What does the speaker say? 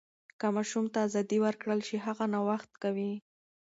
که ماشوم ته ازادي ورکړل شي، هغه نوښت کوي.